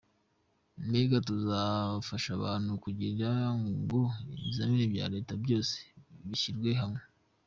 Mbega tuzafasha abantu kugira ngo ibizami bya Leta byose bishyirwe hamwe.